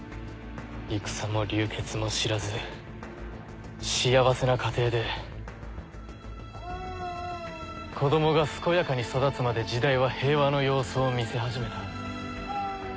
戦も流血も知らず幸せな家庭で子供が健やかに育つまで時代は平和の様相を見せ始めた。